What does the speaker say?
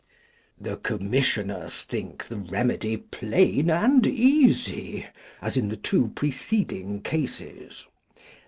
The Commissioners think the remedy plain and easy, as in the two preceding cases.